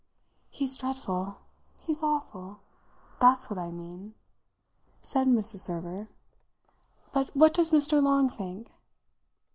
"He's dreadful, he's awful that's what I mean," said Mrs. Server. "But what does Mr. Long think?"